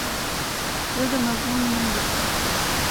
زه د مضمون نوم لیکم.